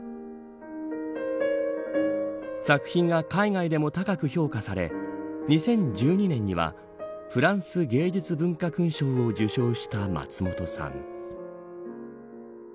作品が海外でも高く評価され２０１２年にはフランス芸術文化勲章を受章した松本さん。